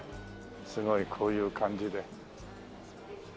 すごいこういう感じで。